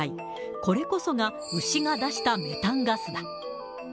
これこそが牛が出したメタンガスだ。